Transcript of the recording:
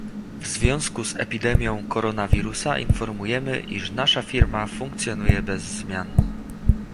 W związku z epidemią koronawirusa informujemy, iż nasza Firma funkcjonuje bez zmian.